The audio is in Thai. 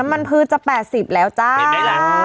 น้ำมันพืชจะแปดสิบแล้วจ้าเป็นไงล่ะ